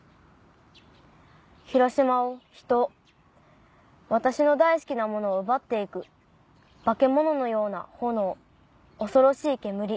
広島を人を私の大好きなものを奪って行く化け物のような炎恐ろしい煙。